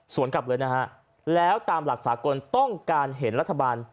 กลับเลยนะฮะแล้วตามหลักสากลต้องการเห็นรัฐบาล